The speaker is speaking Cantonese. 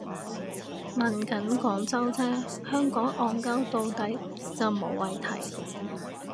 問緊廣州啫，香港戇 𨳊 到底就無謂提